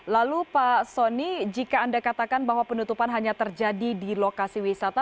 lalu pak soni jika anda katakan bahwa penutupan hanya terjadi di lokasi wisata